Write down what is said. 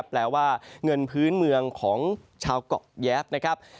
แปลว่าเงินพื้นเมืองของชาวเกาะแย๊บนะครับ